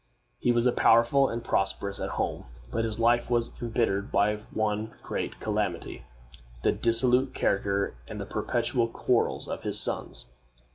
He was powerful and prosperous at home, but his life was embittered by one great calamity, the dissolute character and the perpetual quarrels of his sons.